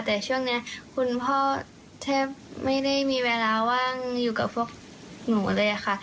แต่ช่วงนี้คุณพ่อแทบไม่ได้มีเวลาว่างอยู่กับพวกหนูเลยค่ะ